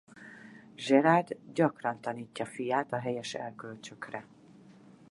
Gerald gyakran tanítja fiát a helyes erkölcsökre.